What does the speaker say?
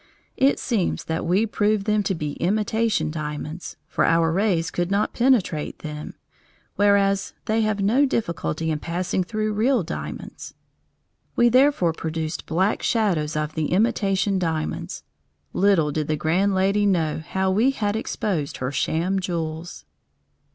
It seems that we proved them to be imitation diamonds, for our rays could not penetrate them, whereas they have no difficulty in passing through real diamonds. We therefore produced black shadows of the imitation diamonds. Little did the grand lady know how we had exposed her sham jewels.